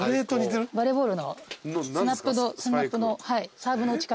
バレーボールのスナップのサーブの打ち方と。